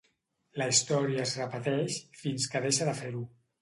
La història es repeteix, fins que deixa de fer-ho.